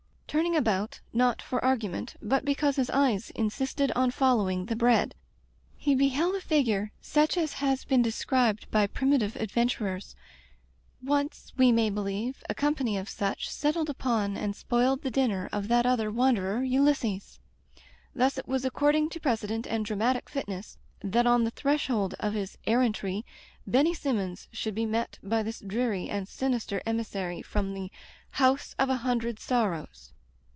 Turning about, not for argument, but because his eyes insisted on following the bread, he beheld a figure such as has been described by primitive adventurers. Once, we may believe, a company of such settled Digitized by LjOOQ IC Interventions upon and spoiled the dinner of that other wanderer, Ulysses. Thus it was according to precedent and dramatic fitness, that on the threshold of his errantry Benny Simmons should be met by this dreary and sinister emissary from the "House of a Hundred Sorrows."